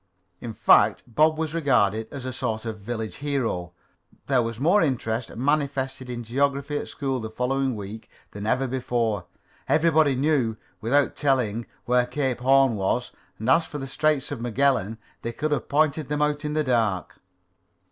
In fact, Bob was regarded as a sort of village hero. There was more interest manifested in geography at school the following week than ever before. Everybody knew, without telling, where Cape Horn was, and as for the Straits of Magellan, they could have pointed them out in the dark.